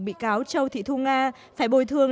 bị cáo châu thị thu nga phải bồi thương